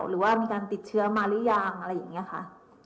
หรือว่ามีการติดเชื้อมาหรือยังอะไรอย่างนี้ค่ะ